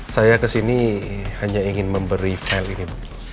saya kesini hanya ingin memberi fl ini